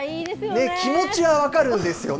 気持ちは分かるんですよね。